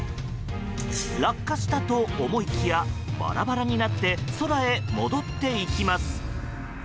落下したと思いきやバラバラになって空へ戻っていきます。